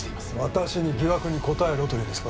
私に疑惑に答えろというんですか？